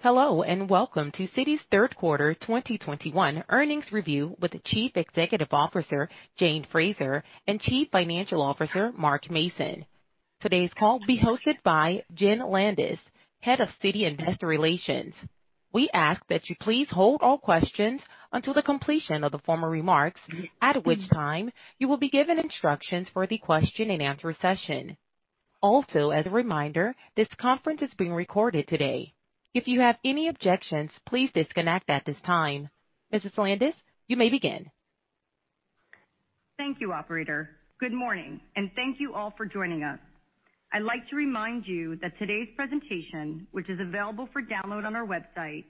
Hello, and welcome to Citi's third quarter 2021 earnings review with the Chief Executive Officer, Jane Fraser, and Chief Financial Officer, Mark Mason. Today's call will be hosted by Jenn Landis, Head of Citi Investor Relations. We ask that you please hold all questions until the completion of the formalr remarks, at which time you will be given instructions for the question-and -answer session. Also, as a reminder, this conference is being recorded today. If you have any objections, please disconnect at this time. Mrs. Landis, you may begin. Thank you, operator. Good morning, and thank you all for joining us. I'd like to remind you that today's presentation, which is available for download on our website,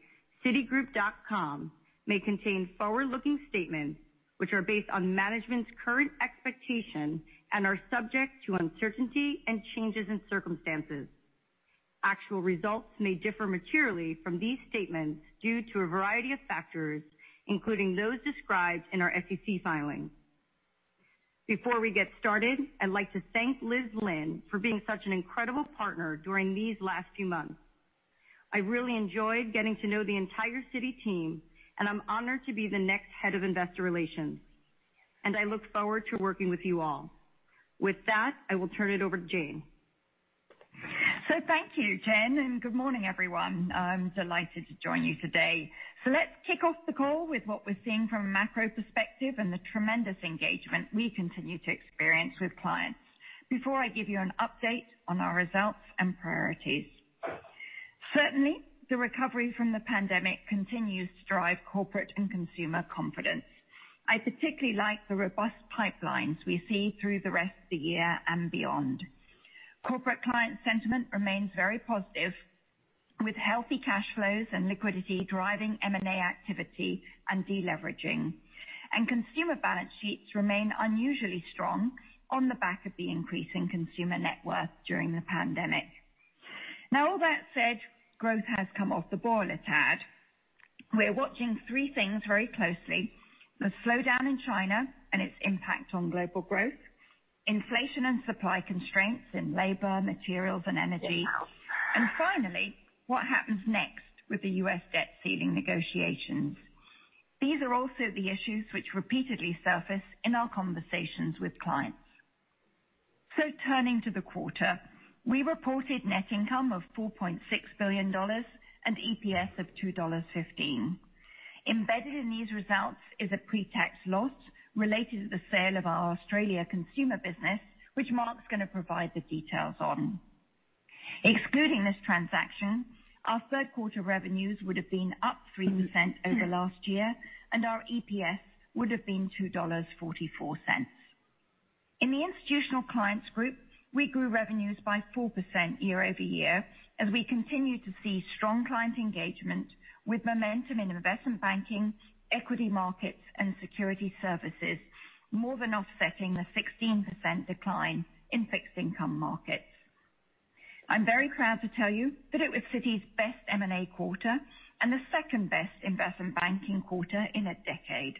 citigroup.com, may contain forward-looking statements which are based on management's current expectation and are subject to uncertainty and changes in circumstances. Actual results may differ materially from these statements due to a variety of factors, including those described in our SEC filings. Before we get started, I'd like to thank Liz Lynn for being such an incredible partner during these last few months. I really enjoyed getting to know the entire Citi team, and I'm honored to be the next head of investor relations, and I look forward to working with you all. With that, I will turn it over to Jane. Thank you, Jenn, and good morning, everyone. I'm delighted to join you today. Let's kick off the call with what we're seeing from a macro perspective and the tremendous engagement we continue to experience with clients before I give you an update on our results and priorities. Certainly, the recovery from the pandemic continues to drive corporate and consumer confidence. I particularly like the robust pipelines we see through the rest of the year and beyond. Corporate client sentiment remains very positive, with healthy cash flows and liquidity driving M&A activity and deleveraging. Consumer balance sheets remain unusually strong on the back of the increase in consumer net worth during the pandemic. All that said, growth has come off the boil a tad. We're watching three things very closely. The slowdown in China and its impact on global growth, inflation and supply constraints in labor, materials, and energy, finally, what happens next with the U.S. debt ceiling negotiations. These are also the issues which repeatedly surface in our conversations with clients. Turning to the quarter, we reported net income of $4.6 billion and EPS of $2.15. Embedded in these results is a pre-tax loss related to the sale of our Australia consumer business, which Mark's gonna provide the details on. Excluding this transaction, our third quarter revenues would have been up 3% over last year, and our EPS would have been $2.44. In the Institutional Clients Group, we grew revenues by 4% year-over-year as we continue to see strong client engagement with momentum in Investment Banking, Equity Markets, and Securities Services, more than offsetting the 16% decline in Fixed Income Markets. I'm very proud to tell you that it was Citi's best M&A quarter and the second-best Investment Banking quarter in a decade.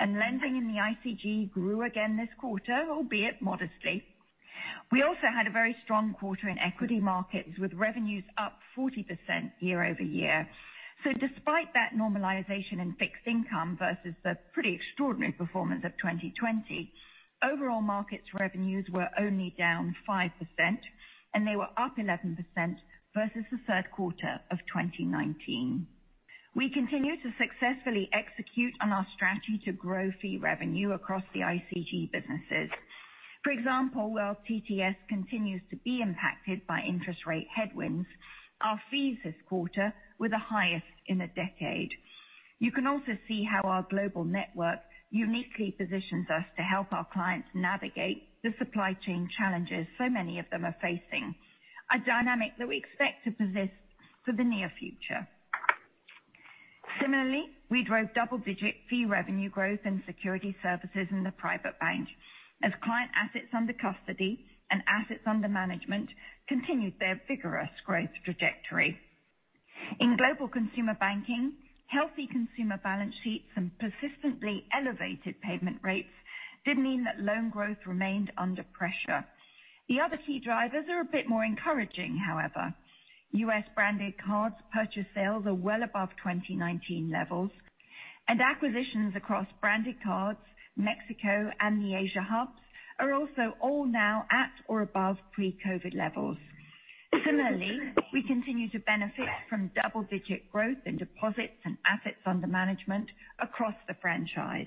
Lending in the ICG grew again this quarter, albeit modestly. We also had a very strong quarter in Equity Markets, with revenues up 40% year-over-year. Despite that normalization in Fixed Income Markets versus the pretty extraordinary performance of 2020, overall markets revenues were only down 5%, and they were up 11% versus the third quarter of 2019. We continue to successfully execute on our strategy to grow fee revenue across the ICG businesses. For example, while TTS continues to be impacted by interest rate headwinds, our fees this quarter were the highest in a decade. You can also see how our global network uniquely positions us to help our clients navigate the supply chain challenges so many of them are facing, a dynamic that we expect to persist for the near future. Similarly, we drove double-digit fee revenue growth in Securities Services in the Private Bank as client assets under custody and assets under management continued their vigorous growth trajectory. In Global Consumer Banking, healthy consumer balance sheets and persistently elevated payment rates did mean that loan growth remained under pressure. The other key drivers are a bit more encouraging, however. U.S. Branded Cards purchase sales are well above 2019 levels, and acquisitions across Branded Cards, Mexico, and the Asia hubs are also all now at or above pre-COVID levels. Similarly, we continue to benefit from double-digit growth in deposits and assets under management across the franchise.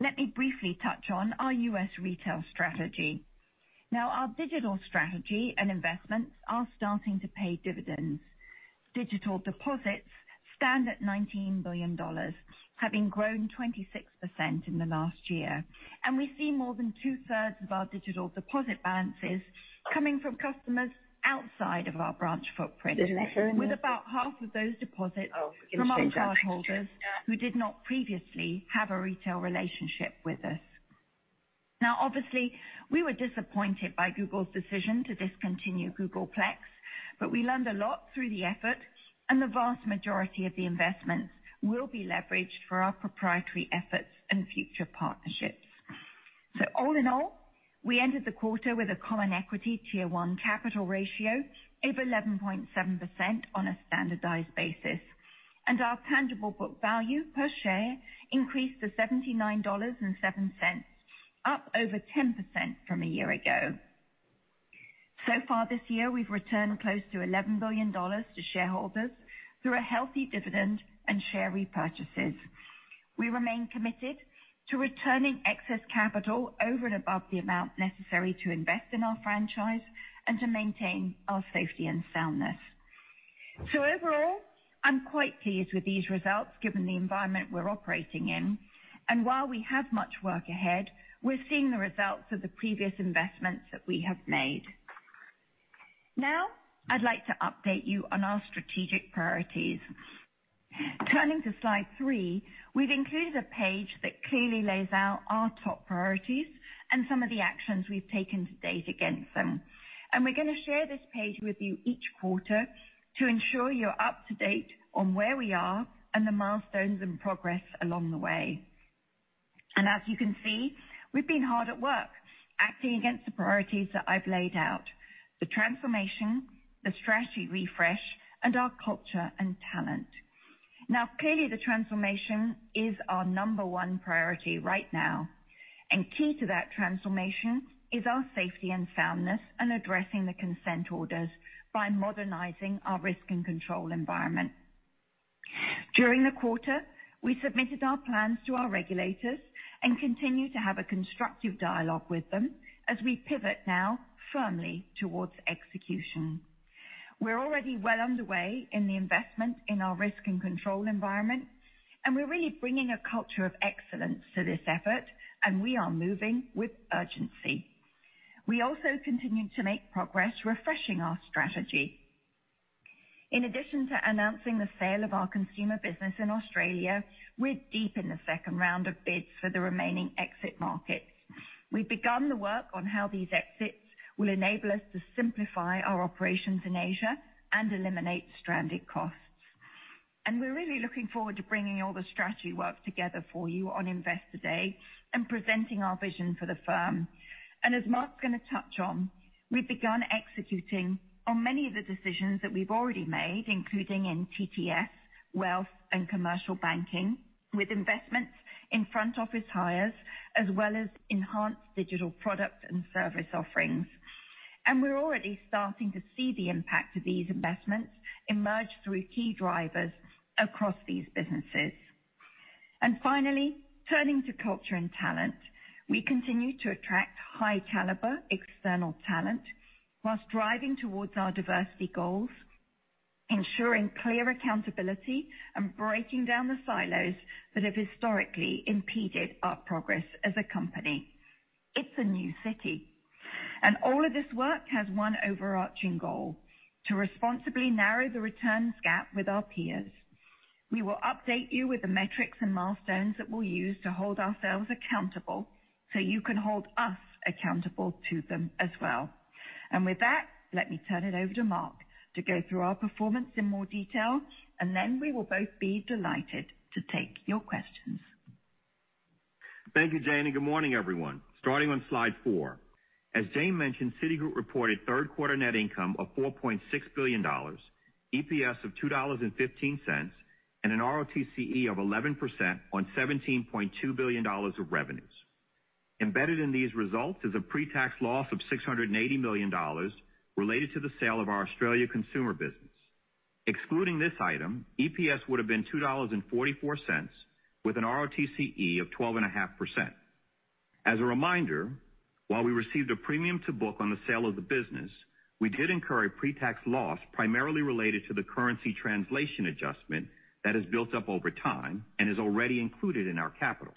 Let me briefly touch on our U.S. retail strategy. Our digital strategy and investments are starting to pay dividends. Digital deposits stand at $19 billion, having grown 26% in the last year. We see more than two-thirds of our digital deposit balances coming from customers outside of our branch footprint, with about half of those deposits from our cardholders who did not previously have a retail relationship with us. Obviously, we were disappointed by Google's decision to discontinue Google Plex, but we learned a lot through the effort, and the vast majority of the investments will be leveraged for our proprietary efforts and future partnerships. All in all, we ended the quarter with a Common Equity Tier 1 capital ratio of 11.7% on a standardized basis, and our tangible book value per share increased to $79.07, up over 10% from a year ago. Far this year, we've returned close to $11 billion to shareholders through a healthy dividend and share repurchases. We remain committed to returning excess capital over and above the amount necessary to invest in our franchise and to maintain our safety and soundness. Overall, I'm quite pleased with these results, given the environment we're operating in. While we have much work ahead, we're seeing the results of the previous investments that we have made. I'd like to update you on our strategic priorities. Turning to slide three, we've included a page that clearly lays out our top priorities and some of the actions we've taken to date against them. We're gonna share this page with you each quarter to ensure you're up to date on where we are and the milestones and progress along the way. As you can see, we've been hard at work acting against the priorities that I've laid out. The transformation, the strategy refresh, and our culture and talent. Clearly, the transformation is our number one priority right now, and key to that transformation is our safety and soundness and addressing the consent orders by modernizing our risk and control environment. During the quarter, we submitted our plans to our regulators and continue to have a constructive dialogue with them as we pivot now firmly towards execution. We're already well underway in the investment in our risk and control environment, we're really bringing a culture of excellence to this effort, we are moving with urgency. We also continue to make progress refreshing our strategy. In addition to announcing the sale of our consumer business in Australia, we're deep in the second round of bids for the remaining exit markets. We've begun the work on how these exits will enable us to simplify our operations in Asia and eliminate stranded costs. We're really looking forward to bringing all the strategy work together for you on Investor Day and presenting our vision for the firm. As Mark is going to touch on, we've begun executing on many of the decisions that we've already made, including in TTS, Wealth and Commercial Banking, with investments in front office hires, as well as enhanced digital product and service offerings. We're already starting to see the impact of these investments emerge through key drivers across these businesses. Finally, turning to culture and talent. We continue to attract high caliber external talent while driving towards our diversity goals, ensuring clear accountability and breaking down the silos that have historically impeded our progress as a company. It's a new Citi, all of this work has one overarching goal: to responsibly narrow the returns gap with our peers. We will update you with the metrics and milestones that we'll use to hold ourselves accountable, you can hold us accountable to them as well. With that, let me turn it over to Mark to go through our performance in more detail, and then we will both be delighted to take your questions. Thank you, Jane, and good morning, everyone. Starting on slide four. As Jane mentioned, Citigroup reported third quarter net income of $4.6 billion, EPS of $2.15, and an ROTCE of 11% on $17.2 billion of revenues. Embedded in these results is a pre-tax loss of $680 million related to the sale of our Australia consumer business. Excluding this item, EPS would have been $2.44 with an ROTCE of 12.5%. As a reminder, while we received a premium to book on the sale of the business, we did incur a pre-tax loss primarily related to the currency translation adjustment that has built up over time and is already included in our capital.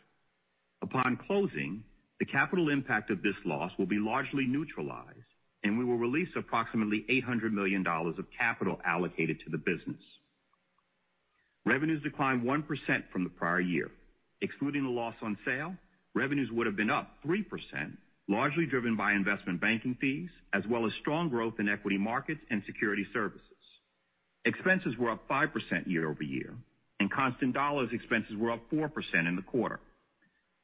Upon closing, the capital impact of this loss will be largely neutralized, and we will release approximately $800 million of capital allocated to the business. Revenues declined 1% from the prior year. Excluding the loss on sale, revenues would have been up 3%, largely driven by Investment Banking fees, as well as strong growth in Equity Markets and Securities Services. Expenses were up 5% year-over-year, and constant dollars expenses were up 4% in the quarter.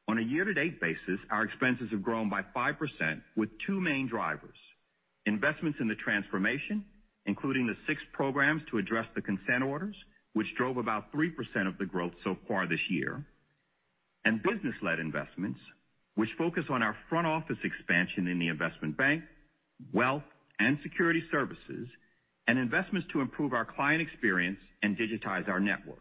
On a year-to-date basis, our expenses have grown by 5% with two main drivers. Investments in the transformation, including the six programs to address the consent orders, which drove about 3% of the growth so far this year. Business-led investments, which focus on our front office expansion in the Investment Banking, wealth, and Securities Services, and investments to improve our client experience and digitize our network.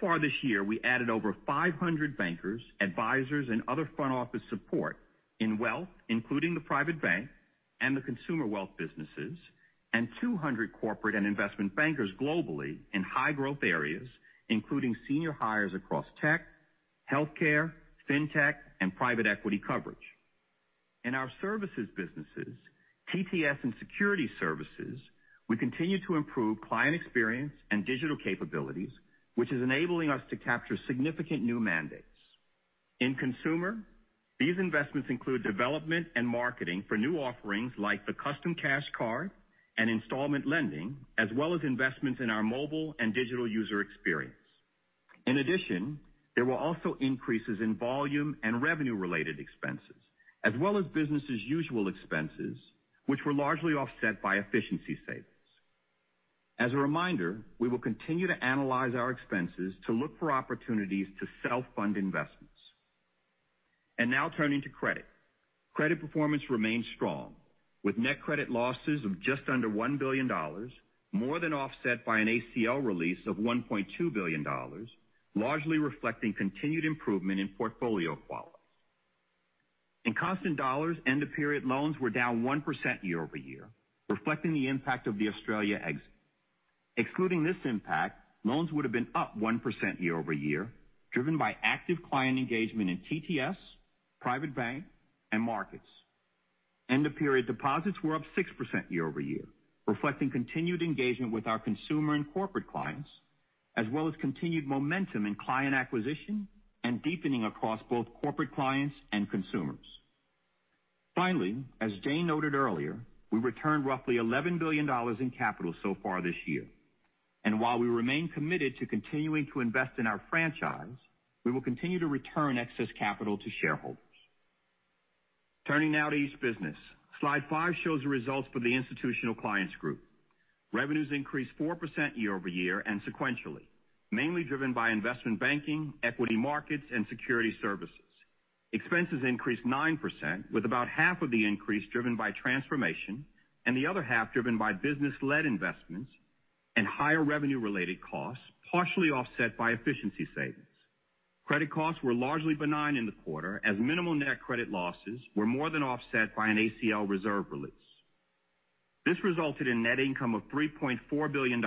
Far this year, we added over 500 bankers, advisors, and other front office support in Wealth, including the Private Bank and the Consumer Wealth businesses, and 200 Corporate and Investment Bankers globally in high-growth areas, including senior hires across Tech, Healthcare, FinTech, and Private Equity coverage. In our services businesses, TTS and Securities Services, we continue to improve client experience and digital capabilities, which is enabling us to capture significant new mandates. In Consumer, these investments include development and marketing for new offerings like the Citi Custom Cash Card and installment lending, as well as investments in our mobile and digital user experience. There were also increases in volume and revenue-related expenses, as well as business as usual expenses, which were largely offset by efficiency savings. As a reminder, we will continue to analyze our expenses to look for opportunities to self-fund investments. Now turning to credit. Credit performance remains strong, with net credit losses of just under $1 billion, more than offset by an ACL release of $1.2 billion, largely reflecting continued improvement in portfolio quality. In constant dollars, end-of-period loans were down 1% year-over-year, reflecting the impact of the Australia exit. Excluding this impact, loans would have been up 1% year-over-year, driven by active client engagement in TTS, Private Bank, and markets. End-of-period deposits were up 6% year-over-year, reflecting continued engagement with our consumer and corporate clients, as well as continued momentum in client acquisition and deepening across both corporate clients and consumers. Finally, as Jane noted earlier, we returned roughly $11 billion in capital so far this year. While we remain committed to continuing to invest in our franchise, we will continue to return excess capital to shareholders. Turning now to each business. Slide five shows the results for the Institutional Clients Group. Revenues increased 4% year-over-year and sequentially, mainly driven by Investment Banking, Equity Markets, and Securities Services. Expenses increased 9%, with about half of the increase driven by transformation and the other half driven by business-led investments and higher revenue-related costs, partially offset by efficiency savings. Credit costs were largely benign in the quarter as minimal net credit losses were more than offset by an ACL reserve release. This resulted in net income of $3.4 billion,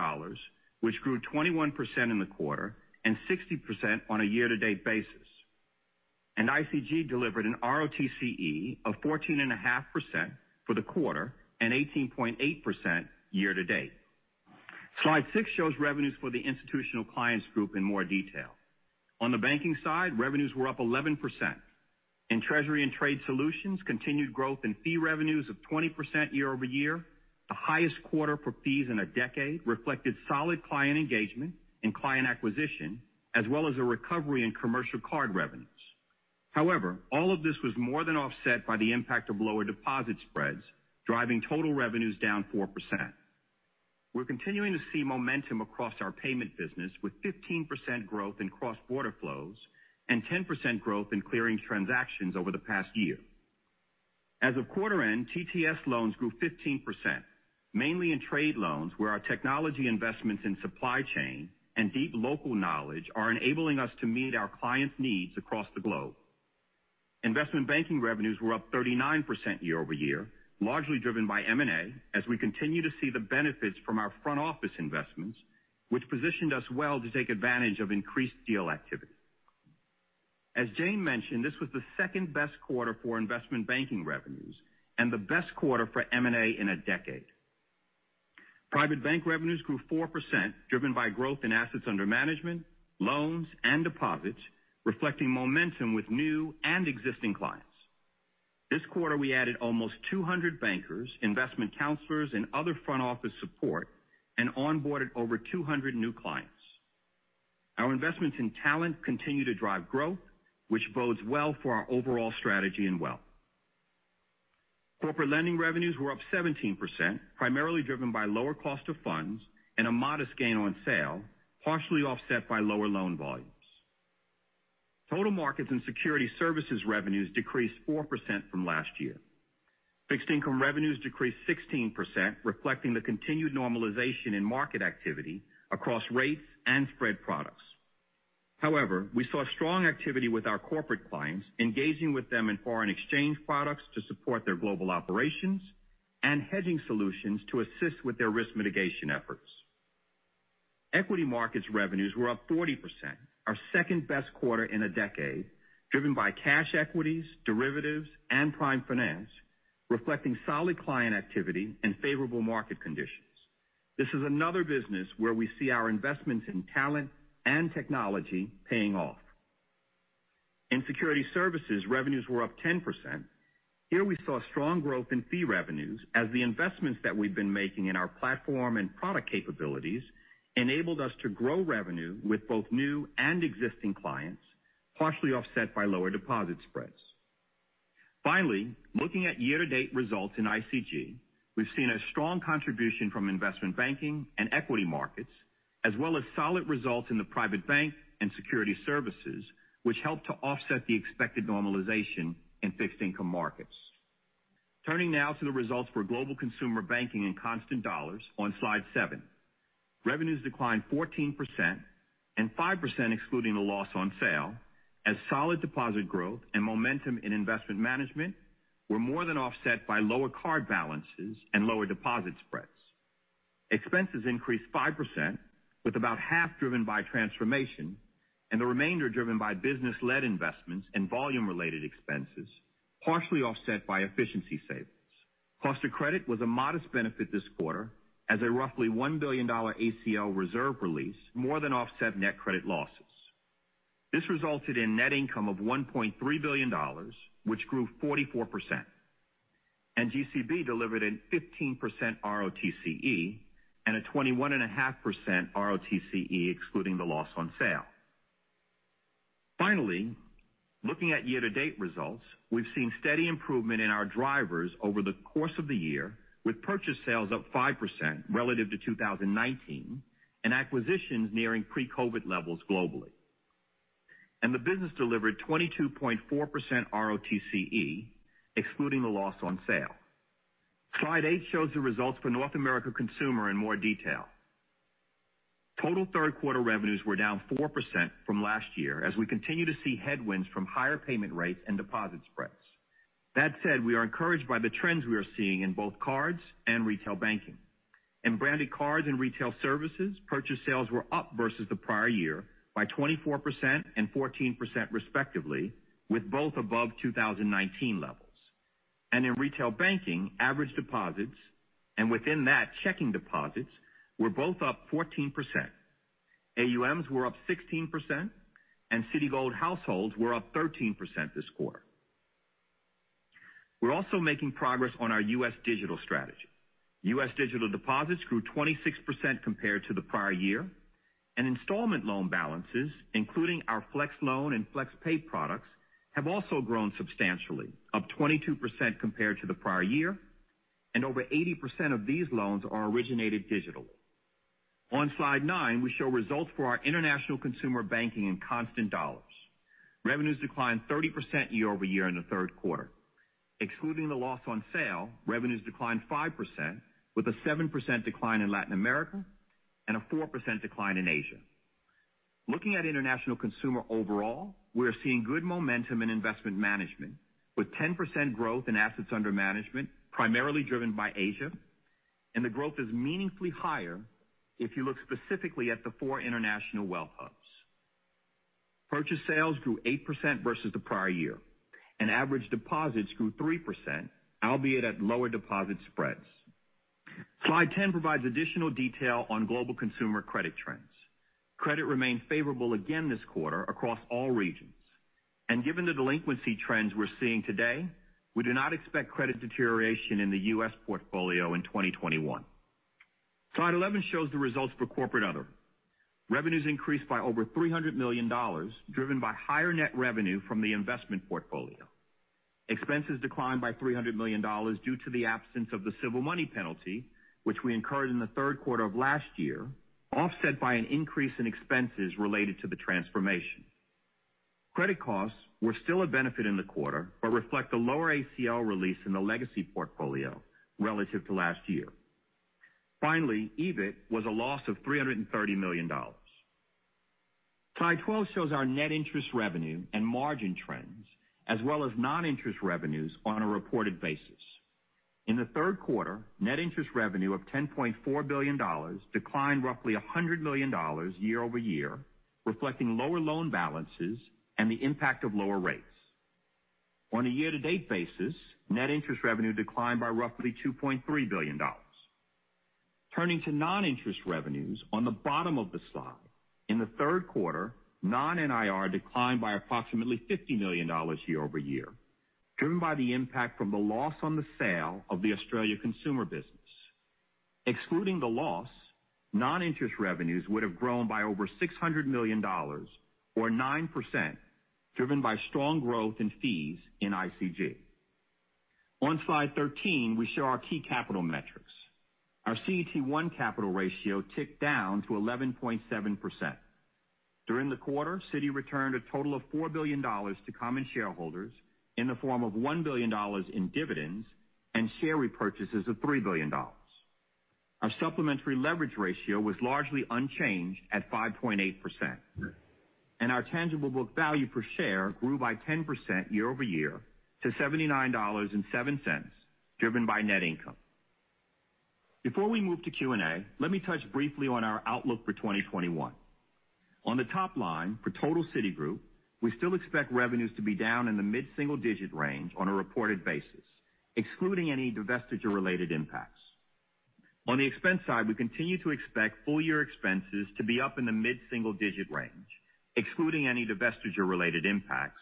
which grew 21% in the quarter and 60% on a year-to-date basis. ICG delivered an ROTCE of 14.5% for the quarter and 18.8% year-to-date. Slide six shows revenues for the Institutional Clients Group in more detail. On the banking side, revenues were up 11%. In Treasury and Trade Solutions, continued growth in fee revenues of 20% year-over-year, the highest quarter for fees in a decade, reflected solid client engagement and client acquisition, as well as a recovery in commercial card revenues. However, all of this was more than offset by the impact of lower deposit spreads, driving total revenues down 4%. We're continuing to see momentum across our payment business with 15% growth in cross-border flows and 10% growth in clearing transactions over the past year. As of quarter end, TTS loans grew 15%, mainly in trade loans where our technology investments in supply chain and deep local knowledge are enabling us to meet our clients' needs across the globe. Investment Banking revenues were up 39% year-over-year, largely driven by M&A, as we continue to see the benefits from our front office investments, which positioned us well to take advantage of increased deal activity. As Jane mentioned, this was the second-best quarter for Investment Banking revenues and the best quarter for M&A in a decade. Private Bank revenues grew 4% driven by growth in assets under management, loans, and deposits, reflecting momentum with new and existing clients. This quarter, we added almost 200 bankers, investment counselors, and other front office support and onboarded over 200 new clients. Our investments in talent continue to drive growth, which bodes well for our overall strategy and wealth. Corporate Lending revenues were up 17%, primarily driven by lower cost of funds and a modest gain on sale, partially offset by lower loan volumes. Total markets and Securities Services revenues decreased 4% from last year. Fixed Income revenues decreased 16%, reflecting the continued normalization in market activity across rates and spread products. We saw strong activity with our corporate clients, engaging with them in foreign exchange products to support their global operations and hedging solutions to assist with their risk mitigation efforts. Equity Markets revenues were up 40%, our second-best quarter in a decade, driven by cash equities, derivatives, and prime finance, reflecting solid client activity and favorable market conditions. This is another business where we see our investments in talent and technology paying off. In Securities Services, revenues were up 10%. Here we saw strong growth in fee revenues as the investments that we've been making in our platform and product capabilities enabled us to grow revenue with both new and existing clients, partially offset by lower deposit spreads. Looking at year-to-date results in ICG, we've seen a strong contribution from Investment Banking and Equity Markets, as well as solid results in the Private Bank and Securities Services, which helped to offset the expected normalization in Fixed Income Markets. Turning now to the results for Global Consumer Banking in constant dollars on slide seven. Revenues declined 14% and 5% excluding a loss on sale as solid deposit growth and momentum in investment management were more than offset by lower card balances and lower deposit spreads. Expenses increased 5%, with about half driven by transformation and the remainder driven by business-led investments and volume-related expenses, partially offset by efficiency savings. Cost of credit was a modest benefit this quarter as a roughly $1 billion ACL reserve release more than offset net credit losses. This resulted in net income of $1.3 billion, which grew 44%. GCB delivered a 15% ROTCE and a 21.5% ROTCE, excluding the loss on sale. Finally, looking at year-to-date results, we've seen steady improvement in our drivers over the course of the year, with purchase sales up 5% relative to 2019, and acquisitions nearing pre-COVID levels globally. The business delivered 22.4% ROTCE, excluding the loss on sale. Slide eight shows the results for North America Consumer in more detail. Total third quarter revenues were down 4% from last year, as we continue to see headwinds from higher payment rates and deposit spreads. That said, we are encouraged by the trends we are seeing in both cards and retail banking. In Branded Cards and Retail Services, purchase sales were up versus the prior year by 24% and 14% respectively, with both above 2019 levels. In retail banking, average deposits, and within that, checking deposits, were both up 14%. AUMs were up 16%, and Citigold households were up 13% this quarter. We're also making progress on our U.S. digital strategy. U.S. digital deposits grew 26% compared to the prior year, and installment loan balances, including our Citi Flex Loan and Citi Flex Pay products, have also grown substantially, up 22% compared to the prior year, and over 80% of these loans are originated digitally. On slide nine, we show results for our international consumer banking in constant dollars. Revenues declined 30% year-over-year in the third quarter. Excluding the loss on sale, revenues declined 5%, with a 7% decline in Latin America and a 4% decline in Asia. Looking at international consumer overall, we are seeing good momentum in investment management, with 10% growth in assets under management, primarily driven by Asia, and the growth is meaningfully higher if you look specifically at the four international wealth hubs. Purchase sales grew 8% versus the prior year, and average deposits grew 3%, albeit at lower deposit spreads. Slide 10 provides additional detail on global consumer credit trends. Credit remained favorable again this quarter across all regions. Given the delinquency trends we're seeing today, we do not expect credit deterioration in the U.S. portfolio in 2021. Slide 11 shows the results for Corporate / Other. Revenues increased by over $300 million, driven by higher net revenue from the investment portfolio. Expenses declined by $300 million due to the absence of the civil money penalty, which we incurred in the 3rd quarter of last year, offset by an increase in expenses related to the transformation. Credit costs were still a benefit in the quarter, but reflect a lower ACL release in the legacy portfolio relative to last year. EBIT was a loss of $330 million. Slide 12 shows our net interest revenue and margin trends, as well as non-interest revenues on a reported basis. In the third quarter, net interest revenue of $10.4 billion declined roughly $100 million year-over-year, reflecting lower loan balances and the impact of lower rates. On a year-to-date basis, net interest revenue declined by roughly $2.3 billion. Turning to non-interest revenues, on the bottom of the slide, in the third quarter, non-NIR declined by approximately $50 million year-over-year, driven by the impact from the loss on the sale of the Australia consumer business. Excluding the loss, non-interest revenues would have grown by over $600 million or 9%, driven by strong growth in fees in ICG. On slide 13, we show our key capital metrics. Our CET1 capital ratio ticked down to 11.7%. During the quarter, Citi returned a total of $4 billion to common shareholders in the form of $1 billion in dividends and share repurchases of $3 billion. Our supplementary leverage ratio was largely unchanged at 5.8%, and our tangible book value per share grew by 10% year-over-year to $79.07, driven by net income. Before we move to Q&A, let me touch briefly on our outlook for 2021. On the top line, for total Citigroup, we still expect revenues to be down in the mid-single-digit range on a reported basis, excluding any divestiture-related impacts. On the expense side, we continue to expect full-year expenses to be up in the mid-single digit range, excluding any divestiture-related impacts,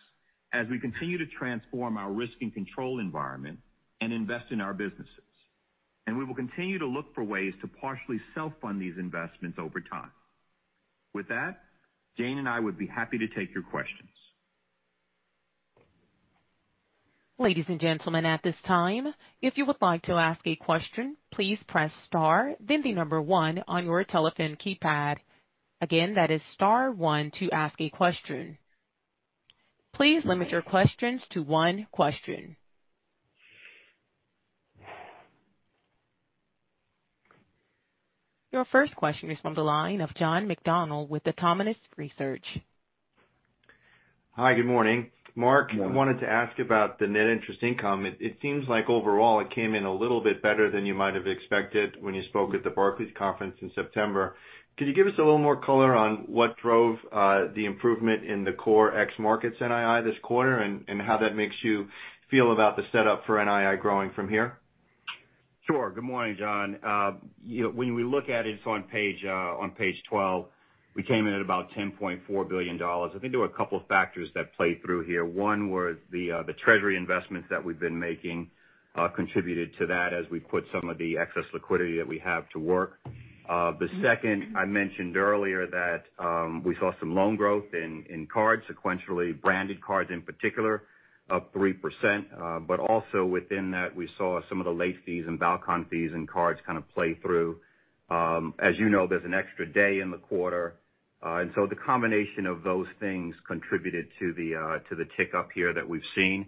as we continue to transform our risk and control environment and invest in our businesses. We will continue to look for ways to partially self-fund these investments over time. With that, Jane and I would be happy to take your questions. Ladies and gentlemen, at this time, if you would like to ask a question, please press star then the number one on your telephone keypad. Again, that is star one to ask a question. Please limit your questions to one question. Your first question is from the line of John McDonald with the Autonomous Research. Hi, good morning. Mark, I wanted to ask about the net interest income. It seems like overall it came in a little bit better than you might have expected when you spoke at the Barclays conference in September. Could you give us a little more color on what drove the improvement in the core ex markets NII this quarter, and how that makes you feel about the setup for NII growing from here? Sure. Good morning, John. You know, when we look at it's on page 12, we came in at about $10.4 billion. I think there were a couple factors that played through here. One was the Treasury investments that we've been making, contributed to that as we put some of the excess liquidity that we have to work. The second I mentioned earlier that we saw some loan growth in cards sequentially, Branded Cards in particular, up 3%. Also within that, we saw some of the late fees and balance transfer fees in cards kind of play through. As you know, there's an extra day in the quarter, the combination of those things contributed to the tick up here that we've seen.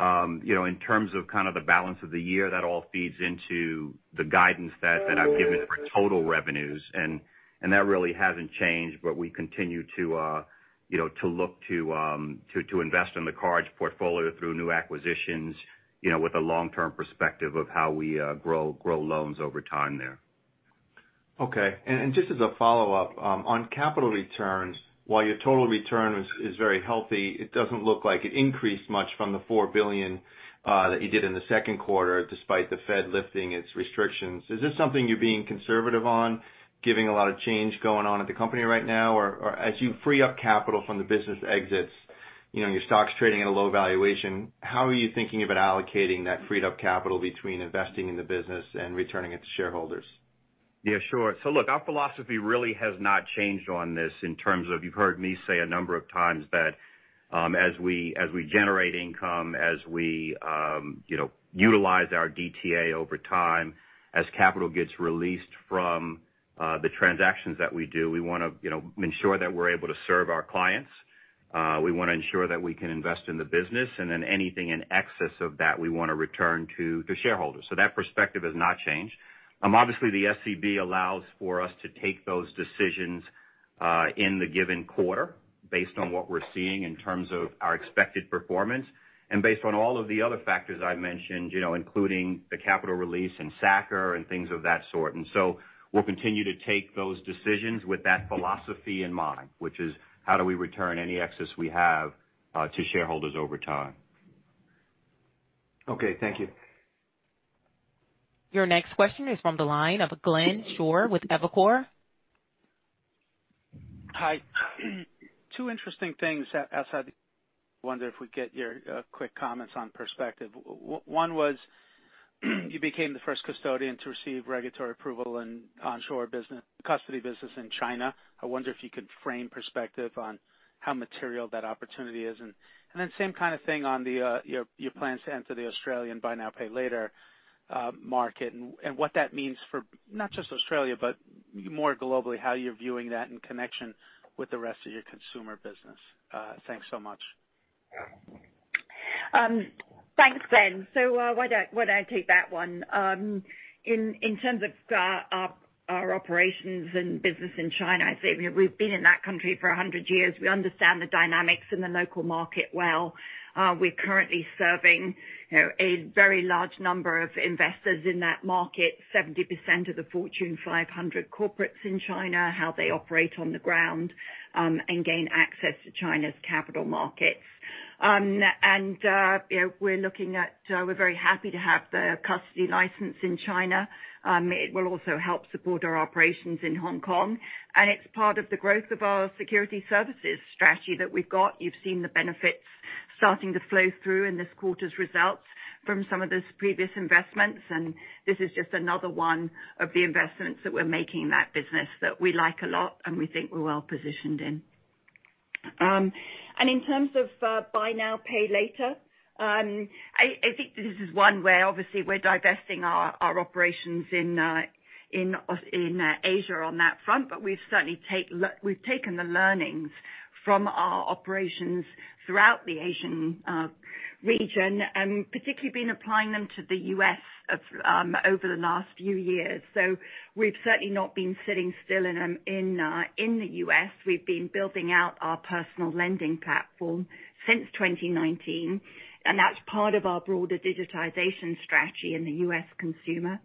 You know, in terms of kind of the balance of the year, that all feeds into the guidance that I've given for total revenues, and that really hasn't changed. We continue to, you know, to look to invest in the cards portfolio through new acquisitions, you know, with a long-term perspective of how we, grow loans over time there. Okay. Just as a follow-up on capital returns, while your total return is very healthy, it doesn't look like it increased much from the $4 billion that you did in the second quarter, despite the Fed lifting its restrictions. Is this something you're being conservative on, given a lot of change going on at the company right now? As you free up capital from the business exits, you know, your stock's trading at a low valuation, how are you thinking about allocating that freed up capital between investing in the business and returning it to shareholders? Yeah, sure. Look, our philosophy really has not changed on this in terms of you've heard me say a number of times that, as we generate income, as we, you know, utilize our DTA over time, as capital gets released from the transactions that we do, we wanna, you know, ensure that we're able to serve our clients. We wanna ensure that we can invest in the business, and then anything in excess of that we wanna return to the shareholders. That perspective has not changed. Obviously the SCB allows for us to take those decisions in the given quarter based on what we're seeing in terms of our expected performance and based on all of the other factors I've mentioned, you know, including the capital release and SA-CCR and things of that sort. We'll continue to take those decisions with that philosophy in mind, which is how do we return any excess we have to shareholders over time. Okay. Thank you. Your next question is from the line of Glenn Schorr with Evercore. Hi. Two interesting things I wonder if we get your quick comments on perspective. One was, you became the first custodian to receive regulatory approval in onshore business, custody business in China. I wonder if you could frame perspective on how material that opportunity is. Then same kind of thing on the your plans to enter the Australian buy now, pay later market and what that means for not just Australia, but more globally, how you're viewing that in connection with the rest of your consumer business. Thanks so much. Thanks, Glenn. Why don't I take that one? In terms of our operations and business in China, I'd say we've been in that country for 100 years. We understand the dynamics in the local market well. We're currently serving, you know, a very large number of investors in that market, 70% of the Fortune 500 corporates in China, how they operate on the ground, and gain access to China's capital markets. You know, we're looking at we're very happy to have the custody license in China. It will also help support our operations in Hong Kong, and it's part of the growth of our Securities Services strategy that we've got. You've seen the benefits starting to flow through in this quarter's results from some of those previous investments, and this is just another one of the investments that we're making in that business that we like a lot and we think we're well-positioned in. In terms of buy now, pay later, I think this is one where obviously we're divesting our operations in Asia on that front, but we've certainly taken the learnings from our operations throughout the Asian region, and particularly been applying them to the U.S. over the last few years. We've certainly not been sitting still in the U.S. We've been building out our personal lending platform since 2019, and that's part of our broader digitization strategy in the U.S. consumer.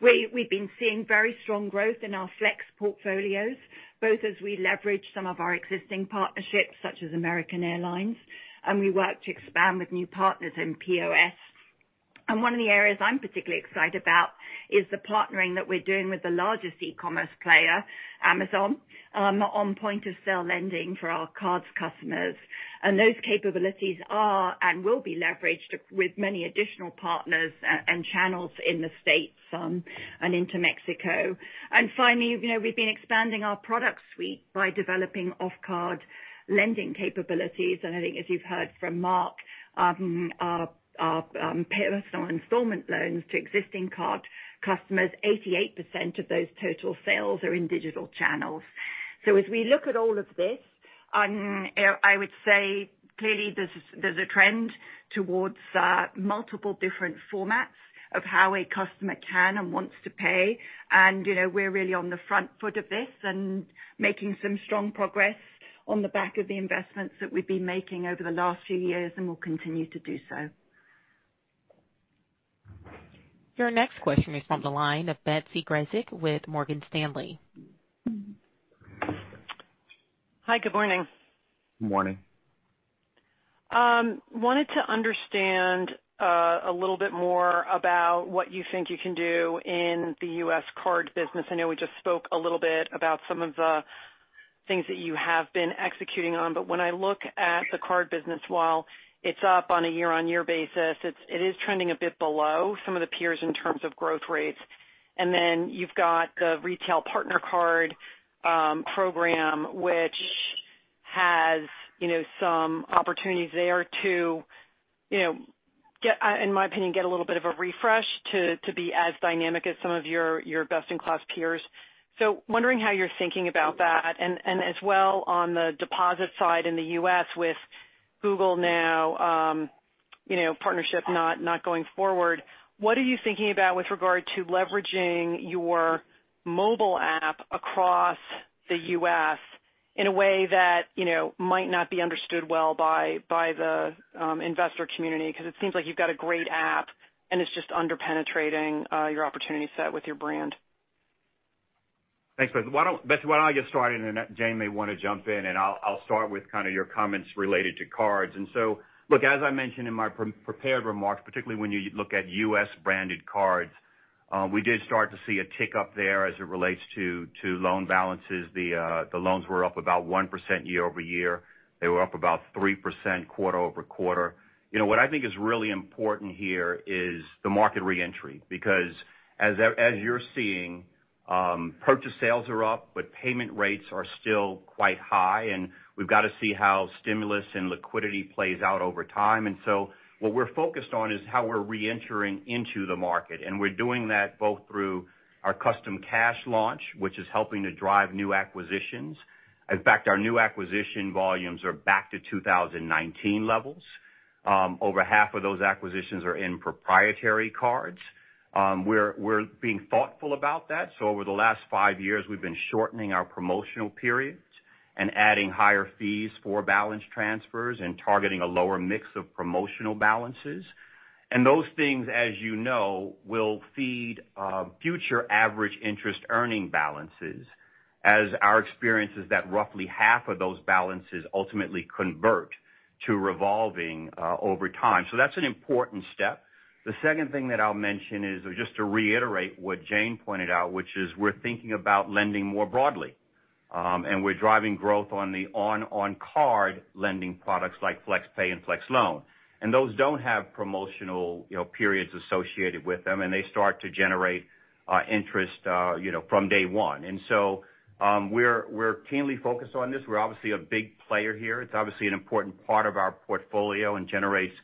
We've been seeing very strong growth in our flex portfolios, both as we leverage some of our existing partnerships, such as American Airlines, we work to expand with new partners in POS. One of the areas I'm particularly excited about is the partnering that we're doing with the largest e-commerce player, Amazon, on point of sale lending for our cards customers. Those capabilities are and will be leveraged with many additional partners and channels in the U.S., and into Mexico. Finally, you know, we've been expanding our product suite by developing off-card lending capabilities. I think as you've heard from Mark, our personal installment loans to existing card customers, 88% of those total sales are in digital channels. As we look at all of this, I would say clearly there's a trend towards multiple different formats of how a customer can and wants to pay. You know, we're really on the front foot of this and making some strong progress on the back of the investments that we've been making over the last few years and will continue to do so. Your next question is from the line of Betsy Graseck with Morgan Stanley. Hi, good morning. Morning. Wanted to understand a little bit more about what you think you can do in the U.S. card business. I know we just spoke a little bit about some of the things that you have been executing on, when I look at the card business, while it is up on a year-over-year basis, it is trending a bit below some of the peers in terms of growth rates. You've got the retail partner card program, which has, you know, some opportunities there to, you know, get in my opinion, get a little bit of a refresh to be as dynamic as some of your best-in-class peers. Wondering how you're thinking about that. As well on the deposit side in the U.S. with Google now, you know, partnership not going forward, what are you thinking about with regard to leveraging your mobile app across the U.S. in a way that, you know, might not be understood well by the investor community? Cause it seems like you've got a great app, and it's just under-penetrating your opportunity set with your brand. Thanks, Betsy. Betsy, why don't I get started, and then Jane may want to jump in, and I'll start with kind of your comments related to cards. Look, as I mentioned in my pre-prepared remarks, particularly when you look at US-branded Cards, we did start to see a tick up there as it relates to loan balances. The loans were up about 1% year-over-year. They were up about 3% quarter-over-quarter. You know, what I think is really important here is the market reentry because as you're seeing, purchase sales are up, but payment rates are still quite high, and we've got to see how stimulus and liquidity plays out over time. What we're focused on is how we're reentering into the market, and we're doing that both through our Custom Cash launch, which is helping to drive new acquisitions. In fact, our new acquisition volumes are back to 2019 levels. Over half of those acquisitions are in proprietary cards. We're being thoughtful about that. Over the last five years, we've been shortening our promotional periods and adding higher fees for balance transfers and targeting a lower mix of promotional balances. Those things, as you know, will feed future average interest earning balances, as our experience is that roughly half of those balances ultimately convert to revolving over time. That's an important step. The second thing that I'll mention is just to reiterate what Jane pointed out, which is we're thinking about lending more broadly. We're driving growth on card lending products like Flex Pay and Flex Loan. Those don't have promotional, you know, periods associated with them, and they start to generate interest, you know, from day one. We're keenly focused on this. We're obviously a big player here. It's obviously an important part of our portfolio and generates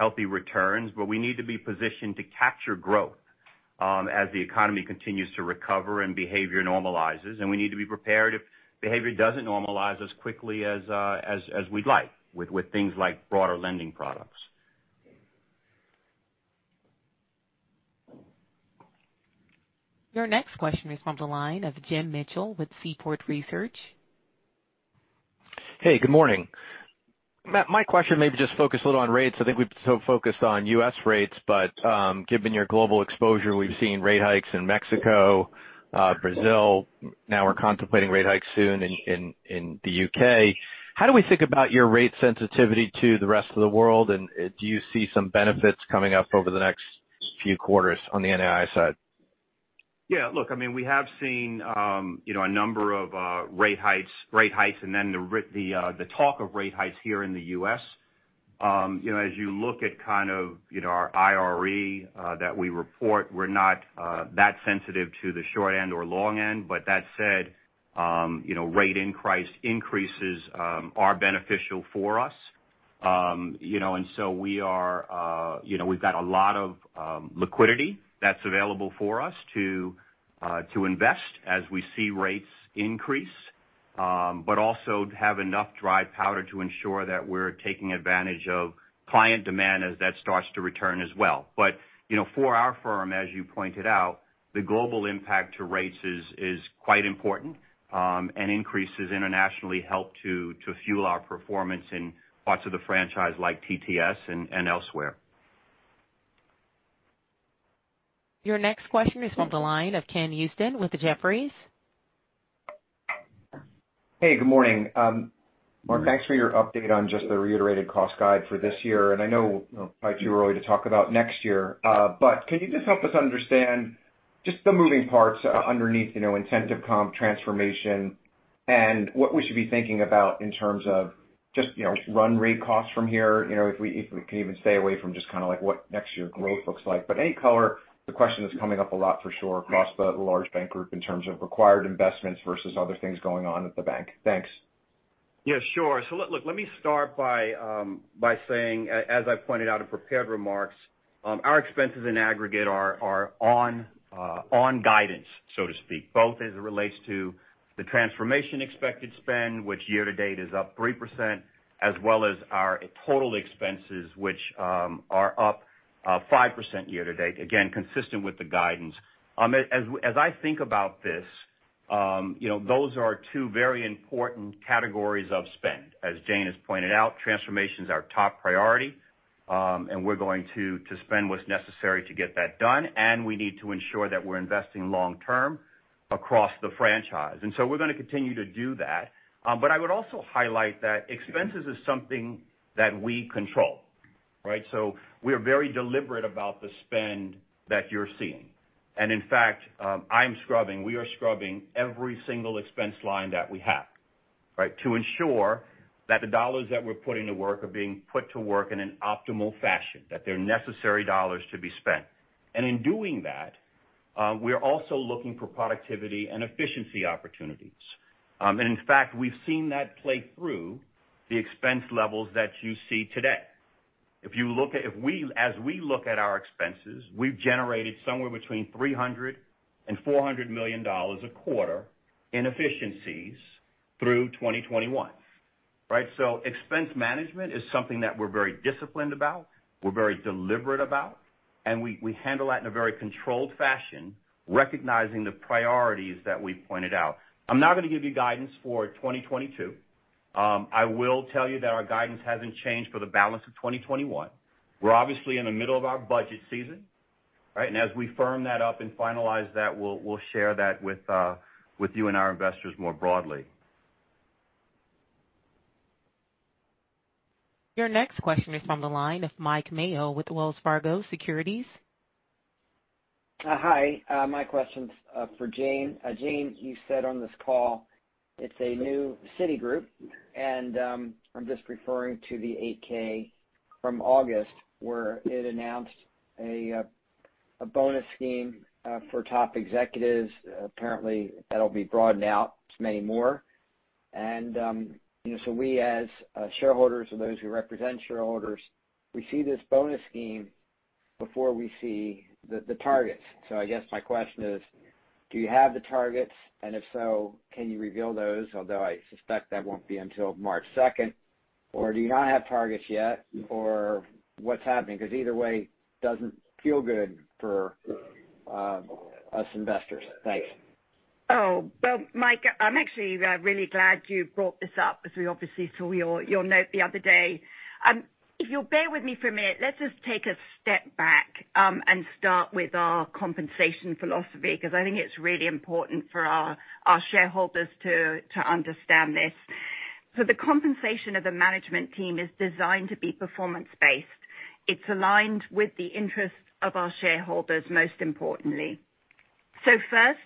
healthy returns. We need to be positioned to capture growth as the economy continues to recover and behavior normalizes, and we need to be prepared if behavior doesn't normalize as quickly as we'd like with things like broader lending products. Your next question is from the line of Jim Mitchell with Seaport Research. Hey, good morning. Mark, my question may be just focused a little on rates. I think we've so focused on U.S. rates, but given your global exposure, we've seen rate hikes in Mexico, Brazil. Now we're contemplating rate hikes soon in the U.K. How do we think about your rate sensitivity to the rest of the world, and do you see some benefits coming up over the next few quarters on the NII side? Look, I mean, we have seen, you know, a number of rate hikes, then the talk of rate hikes here in the U.S. You know, as you look at kind of, you know, our IRE that we report, we're not that sensitive to the short end or long end. That said, you know, rate in price increases are beneficial for us. You know, we are, you know, we've got a lot of liquidity that's available for us to invest as we see rates increase. Also have enough dry powder to ensure that we're taking advantage of client demand as that starts to return as well. You know, for our firm, as you pointed out, the global impact to rates is quite important, and increases internationally help to fuel our performance in parts of the franchise like TTS and elsewhere. Your next question is from the line of Ken Usdin with Jefferies. Hey, good morning. Good morning. Mark, thanks for your update on just the reiterated cost guide for this year. I know it might be too early to talk about next year. Can you just help us understand just the moving parts underneath, you know, incentive comp transformation and what we should be thinking about in terms of just, you know, run rate costs from here. You know, if we can even stay away from just kind of like what next year growth looks like. Any color, the question is coming up a lot for sure across the large bank group in terms of required investments versus other things going on at the bank. Thanks. Yeah, sure. Let me start by saying, as I pointed out in prepared remarks, our expenses in aggregate are on guidance, so to speak, both as it relates to the transformation expected spend, which year-to-date is up 3%, as well as our total expenses, which are up 5% year-to-date. Again, consistent with the guidance. As I think about this, you know, those are two very important categories of spend. As Jane Fraser has pointed out, transformation is our top priority. We're going to spend what's necessary to get that done, and we need to ensure that we're investing long term across the franchise. We're gonna continue to do that. I would also highlight that expenses is something that we control, right? We are very deliberate about the spend that you're seeing. In fact, we are scrubbing every single expense line that we have, right? To ensure that the dollars that we're putting to work are being put to work in an optimal fashion, that they're necessary dollars to be spent. In doing that, we're also looking for productivity and efficiency opportunities. In fact, we've seen that play through the expense levels that you see today. As we look at our expenses, we've generated somewhere between $300 million-$400 million a quarter in efficiencies through 2021, right? Expense management is something that we're very disciplined about, we're very deliberate about, and we handle that in a very controlled fashion, recognizing the priorities that we pointed out. I'm not gonna give you guidance for 2022. I will tell you that our guidance hasn't changed for the balance of 2021. We're obviously in the middle of our budget season, right? As we firm that up and finalize that, we'll share that with you and our investors more broadly. Your next question is from the line of Mike Mayo with Wells Fargo Securities. Hi. My question's for Jane. Jane, you said on this call it's a new Citigroup, and I'm just referring to the 8-K from August, where it announced a bonus scheme for top executives. Apparently, that'll be broadened out to many more. We as shareholders or those who represent shareholders, we see this bonus scheme before we see the targets. I guess my question is, do you have the targets? If so, can you reveal those? Although I suspect that won't be until March 2nd. Do you not have targets yet? What's happening? Either way, doesn't feel good for us investors. Thanks. Well, Mike, I'm actually really glad you brought this up, as we obviously saw your note the other day. If you'll bear with me for a minute, let's just take a step back and start with our compensation philosophy, because I think it's really important for our shareholders to understand this. The compensation of the management team is designed to be performance-based. It's aligned with the interests of our shareholders, most importantly. First,